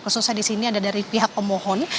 khususnya di sini ada dari pihak pemohon